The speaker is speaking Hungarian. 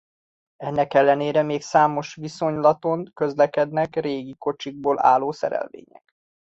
Ennek ellenére még számos viszonylaton közlekednek régi kocsikból álló szerelvények.